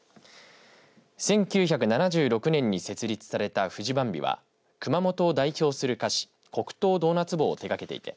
１９７６年に設立されたフジバンビは熊本を代表する菓子黒糖ドーナツ棒を手がけていて